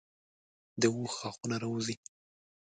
د اوښ غاښونه راوځي.